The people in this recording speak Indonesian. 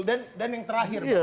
dan yang terakhir